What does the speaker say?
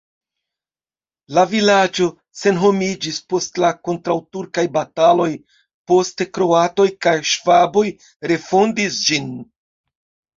La vilaĝo senhomiĝis post la kontraŭturkaj bataloj, poste kroatoj kaj ŝvaboj refondis ĝin.